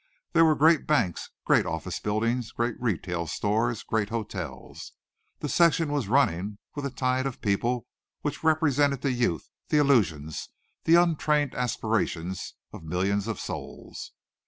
There were great banks, great office buildings, great retail stores, great hotels. The section was running with a tide of people which represented the youth, the illusions, the untrained aspirations, of millions of souls.